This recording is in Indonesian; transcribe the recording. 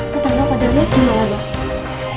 ketengah pada review lho ya